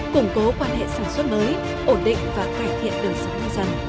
củng cố quan hệ sản xuất mới ổn định và cải thiện đường sống năng dân